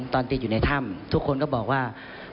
ตอนติดอยู่ในถ้ำทุกคนก็บอกว่า